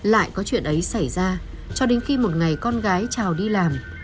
lại có chuyện ấy xảy ra cho đến khi một ngày con gái trào đi làm